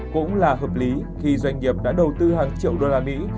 cũng là hợp lý khi doanh nghiệp đã đầu tư hàng triệu đô la mỹ